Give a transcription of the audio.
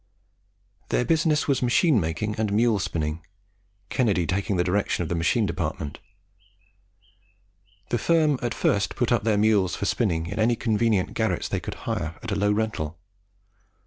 Their business was machine making and mule spinning, Kennedy taking the direction of the machine department. The firm at first put up their mules for spinning in any convenient garrets they could hire at a low rental.